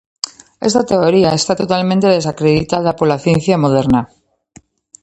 Esta teoría está totalmente desacreditada pola ciencia moderna.